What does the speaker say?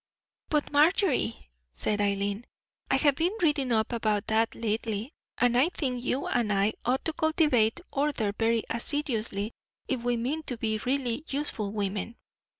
"But, Marjorie," said Eileen, "I have been reading up about that lately, and I think you and I ought to cultivate order very assiduously if we mean to be really useful women.